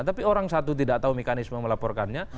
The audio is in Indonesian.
tapi orang satu tidak tahu mekanisme melaporkannya